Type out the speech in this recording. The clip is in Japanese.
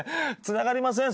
つながりません。